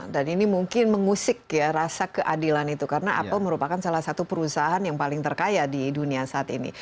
dan ini mungkin mengusik ya rasa keadilan itu karena apple merupakan salah satu perusahaan yang paling terkaya di dunia saat ini